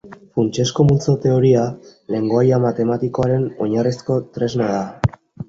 Funtsezko multzo-teoria lengoaia matematikoaren oinarrizko tresna da.